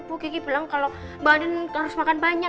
bu gigi bilang kalau mbak andin harus makan banyak